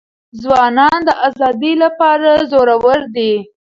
ځوانان د ازادۍ لپاره زړه ور دي.